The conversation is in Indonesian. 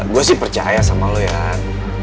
gue sih percaya sama lo yan